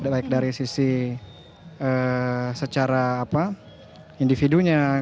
baik dari sisi secara individunya